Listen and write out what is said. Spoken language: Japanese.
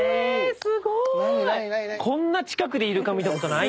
こんな近くでイルカ見たことない。